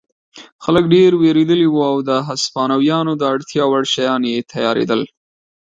خلک ډېر وېرېدلي وو او د هسپانویانو د اړتیا وړ شیان تیارېدل.